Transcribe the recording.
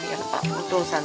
お父さん。